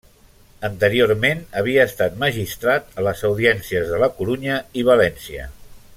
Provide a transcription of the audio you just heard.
Anteriorment havia estat magistrat a les audiències de La Corunya i València.